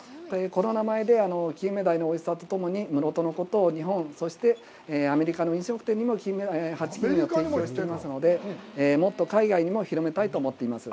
この名前でキンメダイのおいしさとともに、室戸のことを日本、そしてアメリカの飲食店にも八金目を提供していますので、もっと海外にも広めたいと思っています。